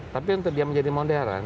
tapi untuk dia menjadi modern